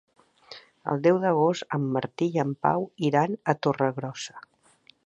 El deu d'agost en Martí i en Pau iran a Torregrossa.